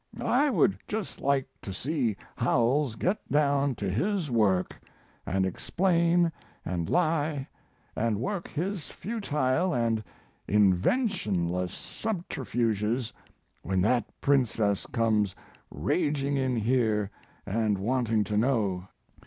I would just like to see Howells get down to his work & explain & lie & work his futile & inventionless subterfuges when that Princess comes raging in here & wanting to know."